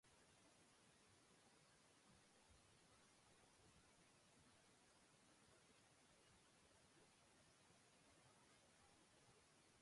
Este distrito es conocido por su tradicional sombrero pintado, una de sus principales artesanías.